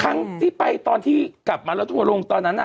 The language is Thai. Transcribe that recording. ทั้งที่ไปตอนที่กลับมาแล้วทัวร์ลงตอนนั้น